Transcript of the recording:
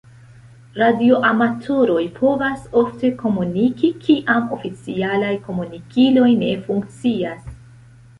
Radioamatoroj povas ofte komuniki, kiam oficialaj komunikiloj ne funkcias.